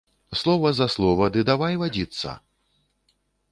Слова за слова, ды давай вадзіцца!